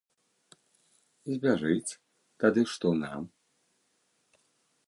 Збяжыць, тады што нам?